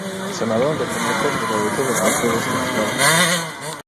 Се надевам дека некои од редовите ве натера да се насмевнете.